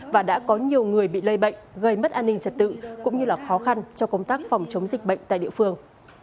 và đã có nhiều người bị lây bệnh gây mất an ninh trật tự cũng như khó khăn cho công tác phòng chống dịch bệnh tại địa phương